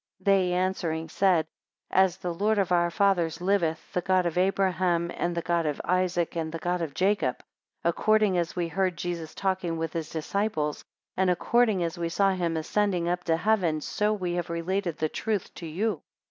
23 They answering said, As the Lord of our fathers liveth, the God of Abraham, and the God of Isaac, and the God of Jacob, according as we heard Jesus talking with his disciples, and according as we saw him ascending up to heaven, so we have related the truth to you.